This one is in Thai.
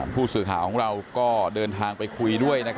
ผู้สื่อข่าวของเราก็เดินทางไปคุยด้วย